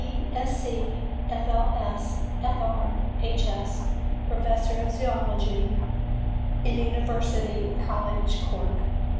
D.Sc., F.L.S., F.R. H.S., Professor of Zoology in University College, Cork.